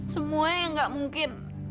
semua yang nggak mungkin